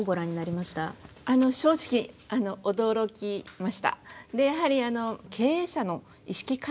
あの正直驚きました。